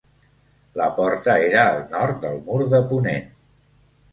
La porta era al nord del mur de ponent.